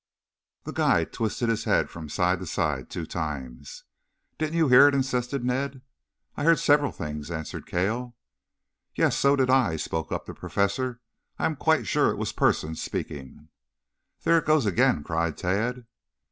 The guide twisted his head from side to side two times. "Didn't you hear it?" insisted Ned. "I heard several things," answered Cale. "Yes, so did I," spoke up the Professor. "I am quite sure it was persons speaking." "There it goes again," cried Tad.